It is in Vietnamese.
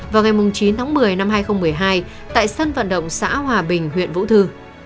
vào ngày chín tháng một mươi năm hai nghìn một mươi hai tại sân vận động xã hòa bình huyện vũ thư